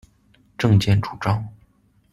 政见主张：